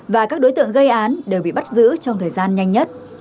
và các đối tượng gây án đều bị bắt giữ trong thời gian nhanh nhất